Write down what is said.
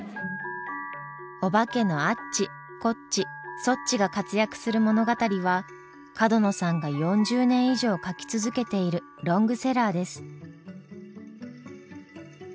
おばけのアッチコッチソッチが活躍する物語は角野さんが４０年以上書き続けているロングセラーです。